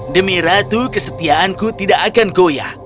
demi ratu kesetiaanku tidak akan goyah